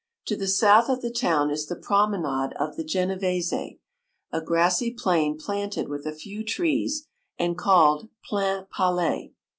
To the south of the town is the promenade of the Genevese, a grassy plain planted with a few trees, and called Plainpalais.